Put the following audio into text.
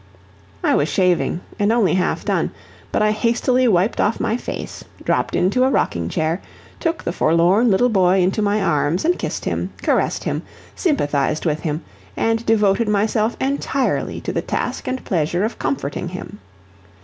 I was shaving, and only half done, but I hastily wiped off my face, dropped into a rocking chair, took the forlorn little boy into my arms, and kissed him, caressed him, sympathized with him, and devoted myself entirely to the task and pleasure of comforting him.